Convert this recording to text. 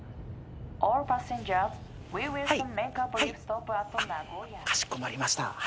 あっかしこまりました。